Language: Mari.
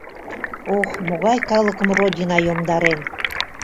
Ох, могай калыкым Родина йомдарен!